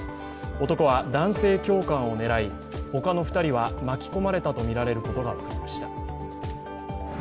男は男性教官を狙い他の２人は巻き込まれたとみられることが分かりました。